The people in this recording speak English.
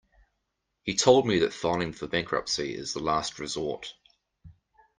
He told me that filing for bankruptcy is the last resort.